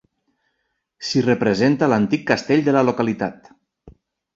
S'hi representa l'antic castell de la localitat.